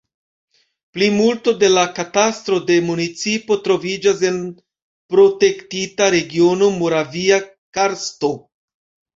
Plimulto de la katastro de municipo troviĝas en protektita regiono Moravia karsto.